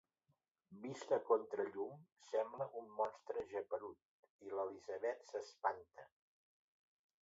Vist a contrallum, sembla un monstre geperut, i l'Elisabet s'espanta.